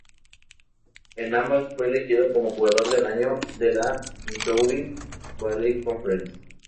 En ambas fue elegido como Jugador del Año de la Missouri Valley Conference.